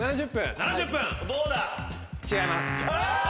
違います。